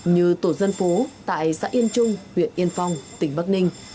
như tổ dân phố tại xã yên trung huyện yên phong tỉnh bắc ninh